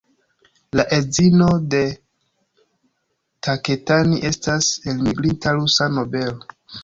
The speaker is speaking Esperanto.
La edzino de Taketani estas elmigrinta rusa nobelo.